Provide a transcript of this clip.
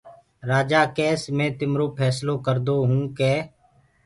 رآجآ ڪيس مي تِمرو ڦيسلو ڪردونٚ ڪي